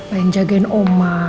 siapa yang jagain oma